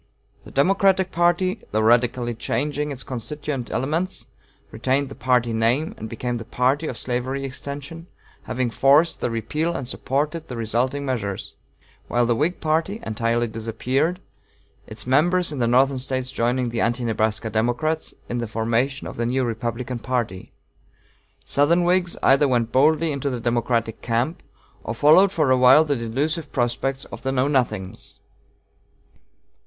The Democratic party, though radically changing its constituent elements, retained the party name, and became the party of slavery extension, having forced the repeal and supported the resulting measures; while the Whig party entirely disappeared, its members in the Northern States joining the Anti Nebraska Democrats in the formation of the new Republican party. Southern Whigs either went boldly into the Democratic camp, or followed for a while the delusive prospects of the Know Nothings.